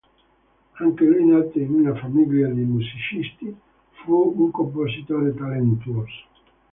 Anche lui nato in una famiglia di musicisti, fu un compositore talentuoso.